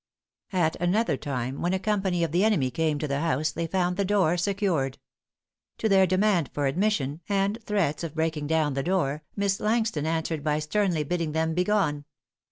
At another time when a company of the enemy came to the house they found the door secured. To their demand for admission and threats of breaking down the door, Miss Langston answered by sternly bidding them begone.